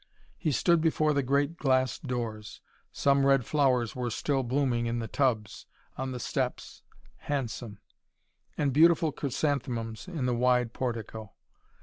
He stood before the great glass doors. Some red flowers still were blooming in the tubs, on the steps, handsome: and beautiful chrysanthemums in the wide portico.